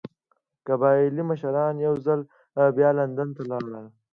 قبایلي مشران یو ځل بیا لندن ته لاړل.